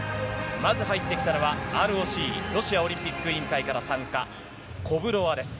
まず入ってきたのは、ＲＯＣ・ロシアオリンピック委員会からコブロワです。